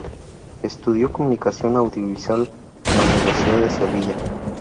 Estudió Comunicación Audiovisual en la Universidad de Sevilla.